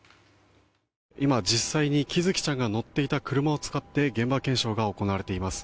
今、実際に喜寿生ちゃんが乗っていた車を使って現場検証が行われています。